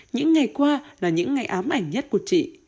những ngày qua là những ngày ám ảnh nhất của chị